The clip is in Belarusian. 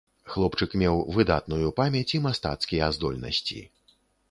Хлопчык меў выдатную памяць і мастацкія здольнасці.